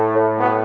nih bolok ke dalam